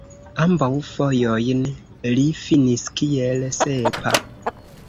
Ambaŭ fojojn li finis kiel sepa.